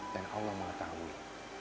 dan allah mengetahui